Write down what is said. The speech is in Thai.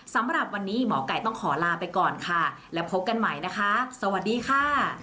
สำหรับวันนี้หมอไก่ต้องขอลาไปก่อนค่ะแล้วพบกันใหม่นะคะสวัสดีค่ะ